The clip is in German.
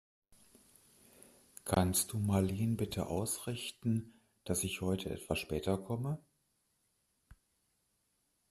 Kannst du Marleen bitte ausrichten, dass ich heute etwas später komme?